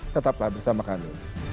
tetaplah bersama kami